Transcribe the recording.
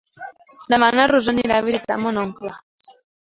Demà na Rosó anirà a visitar mon oncle.